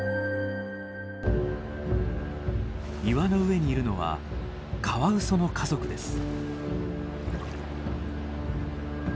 岩の上にいるのはカワウソの家族です。